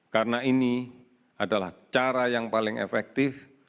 karena ini adalah cara yang paling efektif